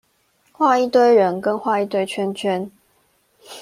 畫一堆人跟畫一堆圈圈